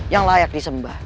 yang layak disembah